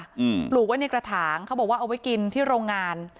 อืมปลูกไว้ในกระถางเขาบอกว่าเอาไว้กินที่โรงงาน